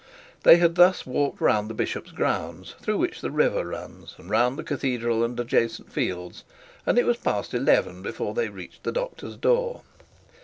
They had thus walked round the bishop's grounds, through which the river runs, and round the cathedral and adjacent fields, and it was past eleven before they reached the doctor's door.